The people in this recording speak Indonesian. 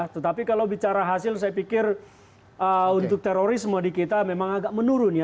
tetapi kalau bicara hasil saya pikir untuk terorisme di kita memang agak menurun ya